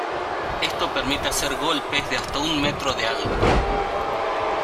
Esto permite hacer golpes de hasta un metro de alto.